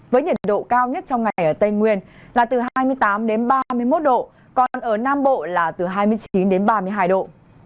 với nhiệt độ cao nhất trong ngày ở tây nguyên là từ hai mươi tám đến ba mươi một độ còn ở nam bộ là từ hai mươi chín đến ba mươi hai độ